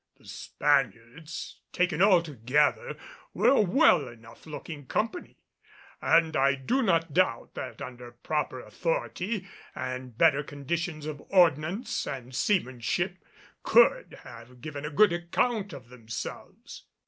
The Spaniards, taken altogether, were a well enough looking company, and I do not doubt that under proper authority and better conditions of ordnance and seamanship, could have given a good account of themselves.